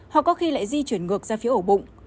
họ có khi lại di chuyển ngược ra phía ổ bụng